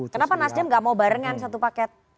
kenapa nasdem gak mau barengan satu paket